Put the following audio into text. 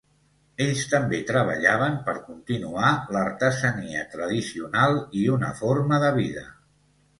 Ells també treballaven per continuar l'artesania tradicional i una forma de vida.